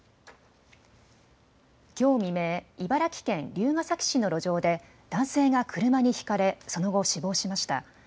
きょう未明、茨城県龍ケ崎市の路上で男性が車にひかれその後、死亡しました。